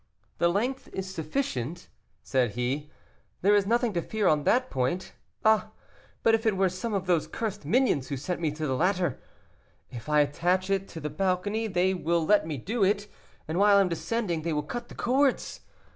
"The length is sufficient," said he, "there is nothing to fear on that point. Ah! but if it were some of those cursed minions who sent me to the ladder? If I attach it to the balcony they will let me do it, and while I am descending they will cut the cords.